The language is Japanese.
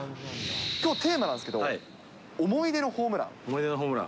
きょう、テーマなんですけど、思い出のホームラン。